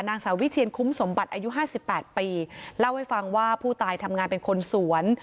นางสาววิเชียนคุ้มสมบัติอายุ๕๘ปีเล่าให้ฟังว่าผู้ตายทำงานเป็นคนสวน